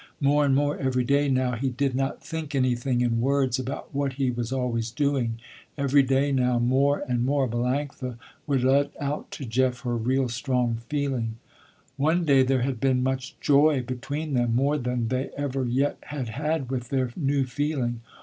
More and more every day now, he did not think anything in words about what he was always doing. Every day now more and more Melanctha would let out to Jeff her real, strong feeling. One day there had been much joy between them, more than they ever yet had had with their new feeling.